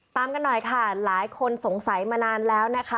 ตามกันหน่อยค่ะหลายคนสงสัยมานานแล้วนะคะ